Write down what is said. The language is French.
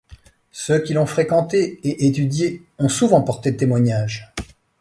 Ceux qui l’ont fréquenté et étudié ont souvent porté témoignage.